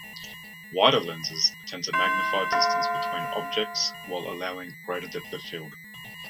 Wider lenses tend to magnify distance between objects while allowing greater depth of field.